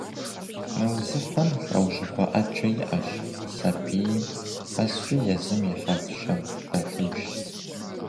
Мы узыфэм лӀэужьыгъуэ Ӏэджэ иӀэщ, сабий къэскӀи езым и хьэл-щэн хэлъыжщ.